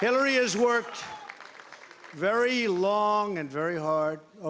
hillary telah bekerja dengan sangat panjang dan dengan sangat kuat